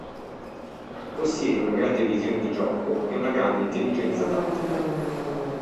Possiede una grande visione di gioco e una grande intelligenza tattica.